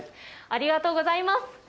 ありがとうございます。